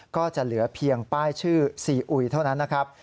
ก็จะเหลือเพียงป้ายชื่อซีอุยเท่านั้นนะครับ